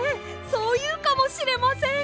そういうかもしれません！